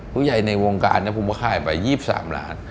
ผู้ใหญ่ในวงการนะผมก็ค่ายไป๒๓ล้าน